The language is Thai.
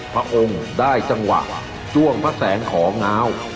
พระองค์ได้จังหวะจ้วงพระแสงของง้าว